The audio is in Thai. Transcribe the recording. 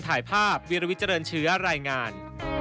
ถ่ายภาพวิลวิเจริญเชื้อรายงาน